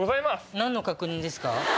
何の確認ですか？